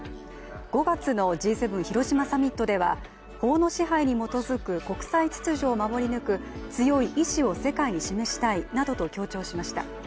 ５月のＧ７広島サミットでは法の支配に基づく国際秩序を守り抜く強い意志を世界に示したいなどと強調しました。